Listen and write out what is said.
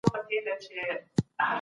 ايا خنډونه لري سوي دي؟